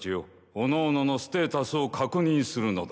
おのおののステータスを確認するのだ。